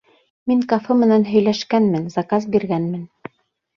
Мин кафе менән һөйләшкәнмен, заказ биргәнмен.